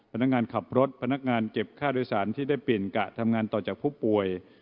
พนักงานขับรถพนักงานเก็บค่าโดยสารที่ได้เปลี่ยนกะทำงานต่อจากผู้ป่วย